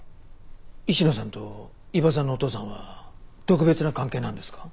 市野さんと伊庭さんのお父さんは特別な関係なんですか？